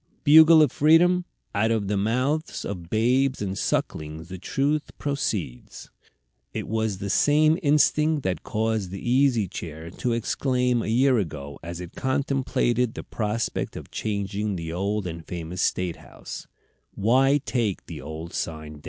Bugle of Freedom! out of the mouths of babes and sucklings the truth proceeds. It was the same instinct that caused the Easy Chair to exclaim a year ago, as it contemplated the prospect of changing the old and famous State house, "Why take the old sign down?"